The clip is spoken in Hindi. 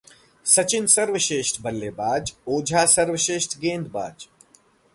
सचिन सर्वश्रेष्ठ बल्लेबाज, ओझा सर्वश्रेष्ठ गेंदबाज